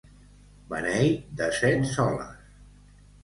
Beneit de set soles.